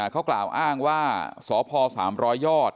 เขากล่าวอ้างว่าสพ๓๐๐ยอด